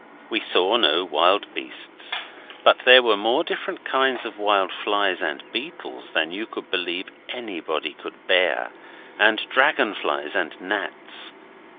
We saw no wild beasts, but there were more different kinds of wild flies and beetles than you could believe anybody could bear, and dragon flies and gnats.